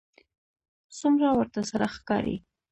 څومره ورته سره ښکاري